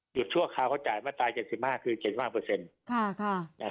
หยุดชั่วคราวเขาจ่ายมาตายเจ็ดสิบห้าคือเจ็ดสิบห้าเปอร์เซ็นต์ค่ะค่ะ